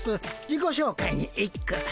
自己紹介に一句。